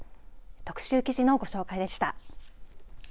特集記事のご紹介でした。